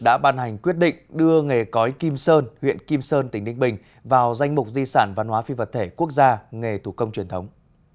đoàn hành quyết định đưa nghề cói kim sơn huyện kim sơn tỉnh đinh bình vào danh mục di sản văn hóa phi vật thể quốc gia nghề tù công truyền thống